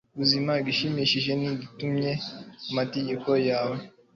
buzi ikigushimisha n'igitunganiye amategeko yawe